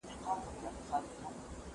قهر د خطر د احساس پر مهال راپيدا کېږي.